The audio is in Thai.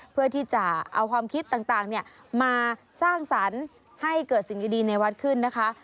เพื่อที่จะเอาความคิดต่างมาสร้างสรรค์ให้เกิดสิ่งดีในวัดขึ้นนะคะ